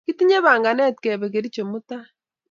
Kitinye panganet kepe Kericho mutai.